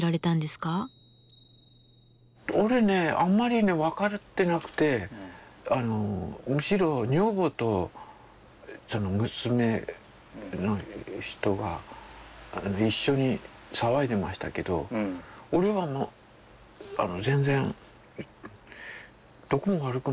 俺ねあんまりね分かってなくてあのむしろ女房と娘の人が一緒に騒いでましたけど俺はもう全然どこも悪くないって思ってましたね。